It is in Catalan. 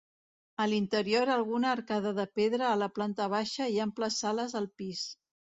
A l'interior alguna arcada de pedra a la planta baixa i amples sales al pis.